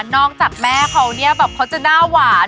แม่เขาเนี่ยแบบเขาจะหน้าหวาน